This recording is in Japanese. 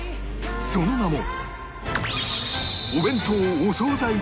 その名も